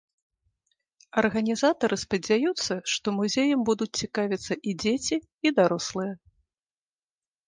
Арганізатары спадзяюцца, што музеем будуць цікавіцца і дзеці, і дарослыя.